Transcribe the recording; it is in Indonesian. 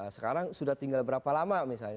sekarang sudah tinggal berapa lama misalnya